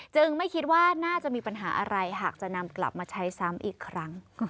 ไม่คิดว่าน่าจะมีปัญหาอะไรหากจะนำกลับมาใช้ซ้ำอีกครั้ง